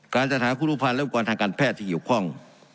การจัดหาคุณรุภัณฑ์และอุปกรณ์ทางการแพทย์ที่เกี่ยวข้อง